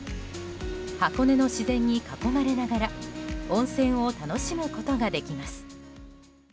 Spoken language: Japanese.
箱根の自然に囲まれながら温泉を楽しむことができます。